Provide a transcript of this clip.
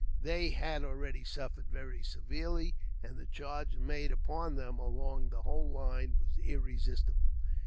They had already suffered very severely, and the charge made upon them, along the whole line, was irresistible.